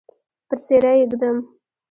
پر څیره یې ږدم